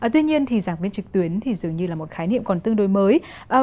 tuy nhiên thì giảng viên trực tuyến thì dường như là một khái niệm còn tương đối mới